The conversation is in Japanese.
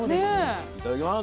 いただきます。